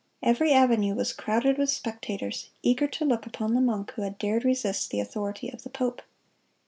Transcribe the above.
Every avenue was crowded with spectators, eager to look upon the monk who had dared resist the authority of the pope.